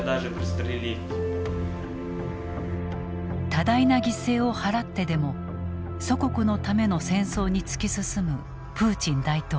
多大な犠牲を払ってでも祖国のための戦争に突き進むプーチン大統領。